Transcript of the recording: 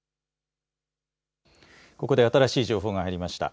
ここで新しい情報が入りました。